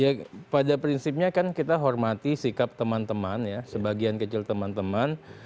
ya pada prinsipnya kan kita hormati sikap teman teman ya sebagian kecil teman teman